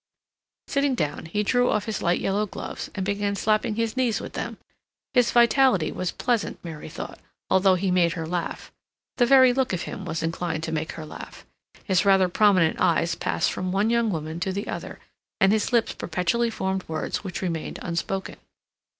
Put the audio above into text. Sitting down, he drew off his light yellow gloves, and began slapping his knees with them. His vitality was pleasant, Mary thought, although he made her laugh. The very look of him was inclined to make her laugh. His rather prominent eyes passed from one young woman to the other, and his lips perpetually formed words which remained unspoken.